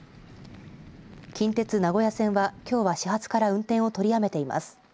近鉄名古屋線はきょうは始発から運転を取りやめています。